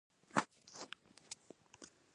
د توپ پر ډز یې شهید کړ.